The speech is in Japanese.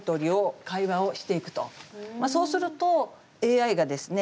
そうするとＡＩがですね